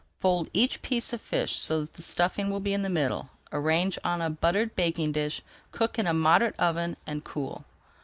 Fold each piece of fish so that the stuffing will be in the middle, arrange on a buttered baking dish, cook in a moderate oven, and cool.